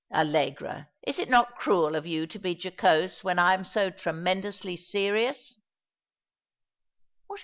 " Allegra, is it not cruel of you to be jocose when I am so tremendously serious